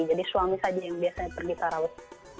jadi suami saja yang biasanya pergi tarawih